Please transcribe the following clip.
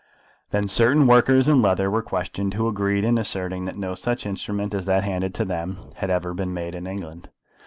Then certain workers in leather were questioned, who agreed in asserting that no such instrument as that handed to them had ever been made in England.